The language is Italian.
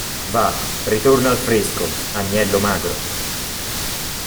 Va, ritorna al fresco, agnello magro!